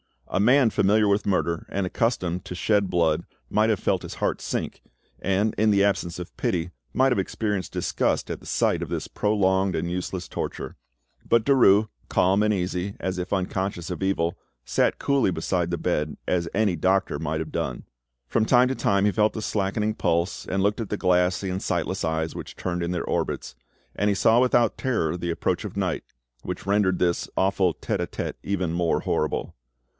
A man familiar with murder and accustomed to shed blood might have felt his heart sink, and, in the absence of pity, might have experienced disgust at the sight of this prolonged and useless torture; but Derues, calm and easy, as if unconscious of evil, sat coolly beside the bed, as any doctor might have done. From time to time he felt the slackening pulse, and looked at the glassy and sightless eyes which turned in their orbits, and he saw without terror the approach of night, which rendered this awful 'tete a tete' even more horrible.